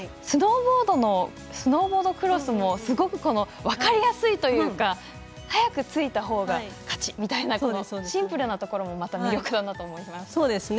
スノーボードのスノーボードクロスもすごく分かりやすいというか早くついたほうが勝ちみたいなシンプルなところがまた魅力だなと思いました。